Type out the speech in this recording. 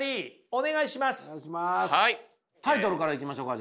タイトルからいきましょうか？